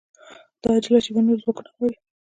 دا عاجله شېبه نور ځواکونه غواړي